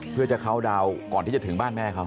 เพื่อจะเข้าดาวน์ก่อนที่จะถึงบ้านแม่เขา